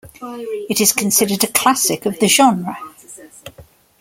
It is considered a classic of the genre.